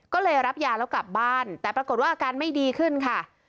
ก็เลยรับยาแล้วกลับบ้านแต่ปรากฏว่าอาการไม่ดีขึ้นค่ะ